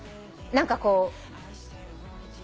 何かこう。